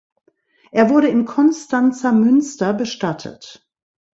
Er wurde im Konstanzer Münster bestattet.